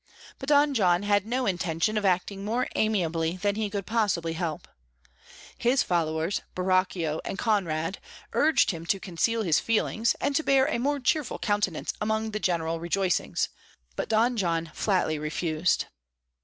But Don John had no intention of acting more amiably than he could possibly help. His followers, Borachio and Conrade, urged him to conceal his feelings, and to bear a more cheerful countenance among the general rejoicings, but Don John flatly refused.